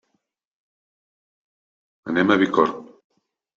Anem a Bicorb.